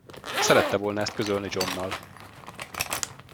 Szerette volna ezt közölni Johnnal.